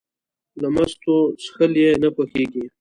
له مستو څښل یې نه خوښېږي.